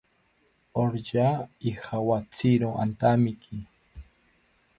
Orya ijawatziro antamiki